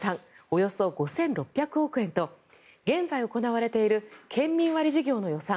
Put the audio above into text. およそ５６００億円と現在行われている県民割事業の予算